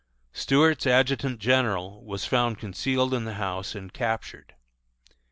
Stuart's adjutant general was found concealed in the house and captured.